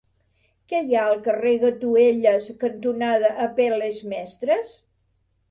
Què hi ha al carrer Gatuelles cantonada Apel·les Mestres?